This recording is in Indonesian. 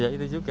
ya itu juga